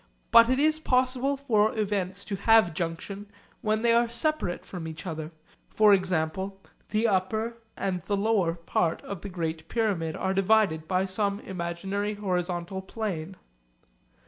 But it is possible for events to have junction when they are separate from each other; for example, the upper and the lower part of the Great Pyramid are divided by some imaginary horizontal plane.